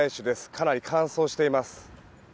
かなり乾燥しています。